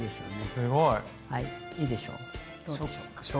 どうでしょうか？